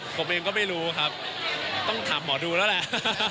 ผมเองก็ไม่รู้ครับต้องถามหมอดูแล้วแหละ